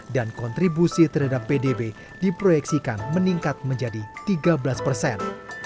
dan kontribusi terhadap pdb diproyeksikan meningkat menjadi tiga belas persen